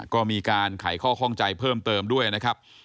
ก็มีการไขข้อข้องใจเพิ่มเติมด้วยนะครับ